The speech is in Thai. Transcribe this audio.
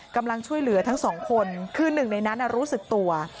กำลังช่วยเหลือทั้งสองคนคือหนึ่งในนั้นรู้สึกตัว